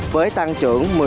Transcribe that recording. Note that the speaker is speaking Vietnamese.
với tăng trưởng